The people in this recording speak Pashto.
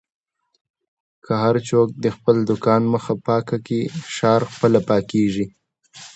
که هر څوک د خپل دوکان مخه پاکه کړي، ښار په خپله پاکېږي.